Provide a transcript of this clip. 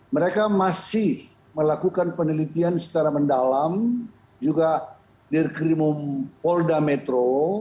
mereka masih melakukan penelitian secara mendalam juga dirkrimum polda metro